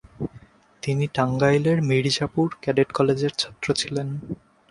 তিনি টাঙ্গাইলের মির্জাপুর ক্যাডেট কলেজের ছাত্র ছিলেন।